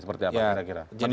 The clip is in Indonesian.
seperti apa anda kira